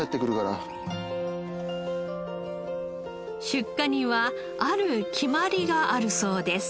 出荷にはある決まりがあるそうです。